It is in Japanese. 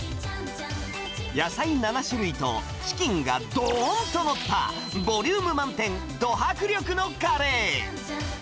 野菜７種類とチキンがどーんと載った、ボリューム満点、ど迫力のカレー。